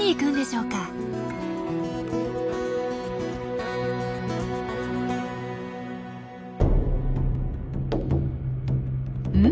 うん？